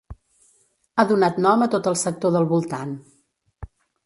Ha donat nom a tot el sector del voltant.